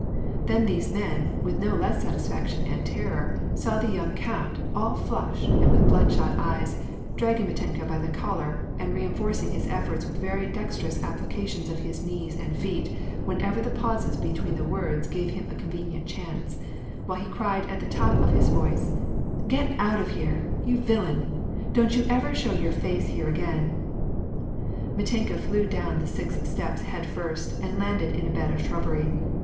Then these men, with no less satisfaction and terror, saw the young count, all flushed, and with bloodshot eyes, dragging Mitenka by the collar, and re enforcing his efforts with very dexterous applications of his knees and feet, whenever the pauses between his words gave him a convenient chance ; while he cried at the top of his voice, '< Get out of here ! you villain ? Don't you ever show your face here again !" Mitenka flew down the six steps head first, and landed in a bed of shrubbery.